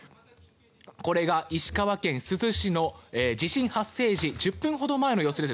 これが石川県珠洲市の地震発生時１０分ほど前の様子です。